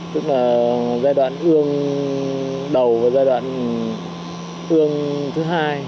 tức là giai đoạn ương đầu và giai đoạn ương thứ hai